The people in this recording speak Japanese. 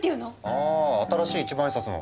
あ新しい一万円札の。